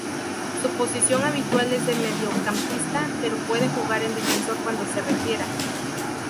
Su posición habitual es de mediocampista, pero puede jugar en defensor cuando se requiera.